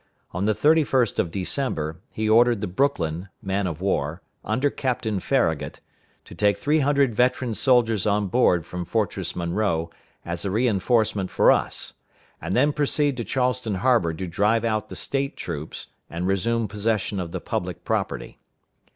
On the 31st of December, he ordered the Brooklyn, man of war, under Captain Farragut, to take three hundred veteran soldiers on board from Fortress Monroe, as a re enforcement for us, and then proceed to Charleston harbor to drive out the State troops, and resume possession of the public property.